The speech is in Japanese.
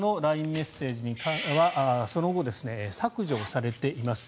メッセージはその後、削除されています。